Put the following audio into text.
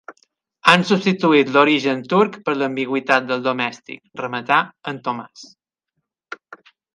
Han substituït l'origen turc per l'ambigüitat del domèstic –remata el Tomàs–.